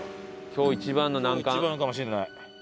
今日一番かもしれない。